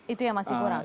itu yang masih kurang